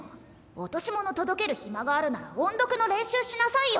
落とし物届けるひまがあるなら音読の練習しなさいよ！